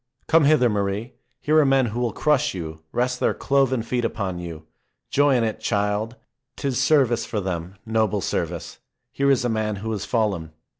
Come hither, Marie! Here are men who will crush you, rest their cloven feet upon you. Joy in it, child! 'Tis service for them, noble service. Here is a man who has fallen.